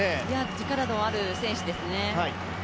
力のある選手ですね。